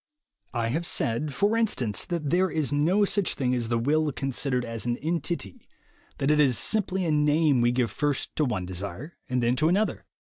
I have said, for instance, that there is no such 20 THE WAY TO WILL POWER 21 thing as the will considered as an entity, that it is simply a name we give first to one desire and then to another.